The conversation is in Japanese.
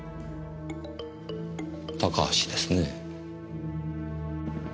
高橋ですね。